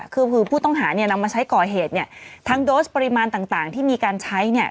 คือผู้ต้องหานำมาใช้ก่อเหตุทั้งโดสปริมาณต่างที่มีการใช้